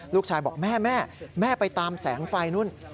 ลูกชายบอกแม่แม่ไปตามแสงไฟนู่น